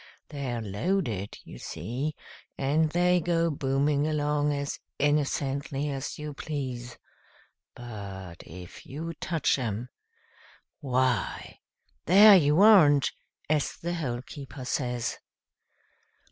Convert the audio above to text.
They're loaded, you see, and they go booming along as innocently as you please; but if you touch 'em why, 'There you aren't!' as the Hole keeper says."